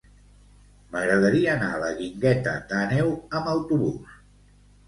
M'agradaria anar a la Guingueta d'Àneu amb autobús.